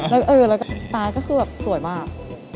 แล้วตาก็คือแบบสวยมาก